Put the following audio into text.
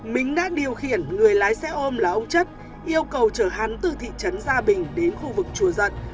mính đã điều khiển người lái xe ôm là ông chất yêu cầu chở hắn từ thị trấn gia bình đến khu vực chùa dận